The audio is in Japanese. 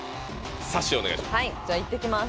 さっしーお願いします